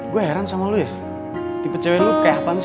gue heran sama lo ya tipe cewek lo kayak apaan sih